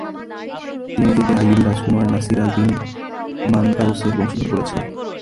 তিনি নিজেকে আইয়ুবী রাজকুমার নাসির আল দীন মানকারুসের বংশধর বলেছেন।